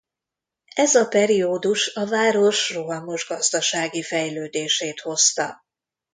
Ez a periódus a város rohamos gazdasági fejlődését hozta.